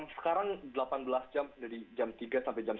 sekarang delapan belas jam dari jam tiga sampai jam tiga